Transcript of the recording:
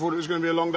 何だ？